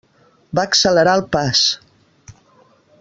Va accelerar el pas.